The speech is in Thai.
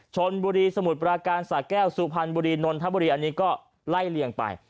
ชนบุรีสมุทรปราการสาแก้วสุพรรณบุรีนนทบุรีอันนี้ก็ไล่เลี่ยงไป